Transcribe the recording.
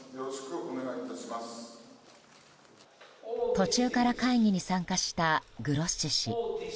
途中から会議に参加したグロッシ氏。